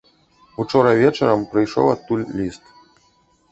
Учора вечарам прыйшоў адтуль ліст.